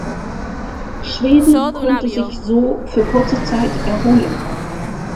Schweden konnte sich so für kurze Zeit erholen.